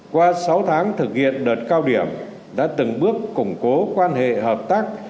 qua sáu tháng thực hiện đợt cao điểm đã từng bước củng cố quan hệ hợp tác